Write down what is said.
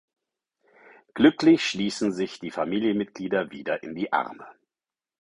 Glücklich schließen sich die Familienmitglieder wieder in die Arme.